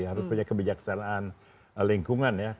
harus punya kebijaksanaan lingkungan ya